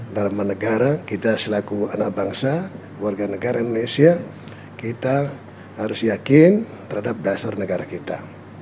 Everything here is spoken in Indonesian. dharma negara kita selaku anak bangsa warga negara indonesia kita harus yakin terhadap dasar negara kita